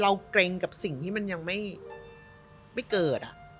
เกรงกับสิ่งที่มันยังไม่เกิด